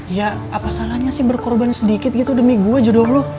ya apa salahnya sih berkorban sedikit gitu demi gue jodoh lu